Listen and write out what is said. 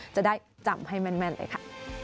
จะได้จำให้แม่นเลยค่ะ